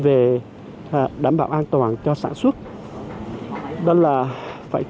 vì chúng tôi cũng rất cảm kích với các công trường xây dựng tái khởi động